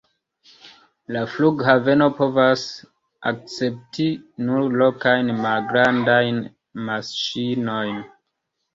La flughaveno povas akcepti nur lokajn malgrandajn maŝinojn.